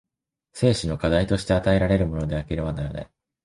生死の課題として与えられるものでなければならない。